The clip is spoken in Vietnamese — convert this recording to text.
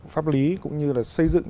pháp lý cũng như là xây dựng